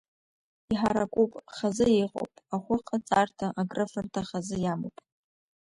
Иҳаракуп, хазы иҟоуп, ахәыҟаҵарҭа, акрыфарҭа хазы иамоуп…